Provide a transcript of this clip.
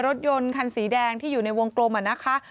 รถยนต์คันสีแดงที่อยู่ในวงกลมนะคะ